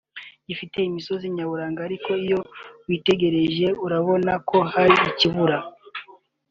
gifite imisozi nyaburanga ariko iyo witegereje urabona ko hari ikibura